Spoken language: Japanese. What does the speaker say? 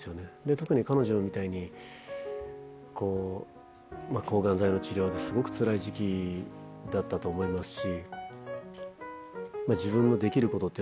特に彼女みたいに抗がん剤の治療でスゴくつらい時期だったと思いますし。